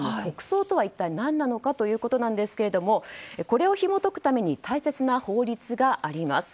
一体何なのかということなんですがこれをひも解くために大切な法律があります。